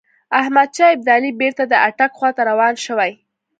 احمدشاه ابدالي بیرته د اټک خواته روان شوی.